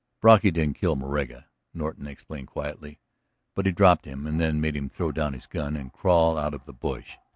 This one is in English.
..." "Brocky didn't kill Moraga," Norton explained quietly. "But he dropped him and then made him throw down his gun and crawl out of the brush.